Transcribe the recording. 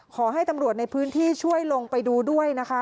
ขอให้ตำรวจในพื้นที่ช่วยลงไปดูด้วยนะคะ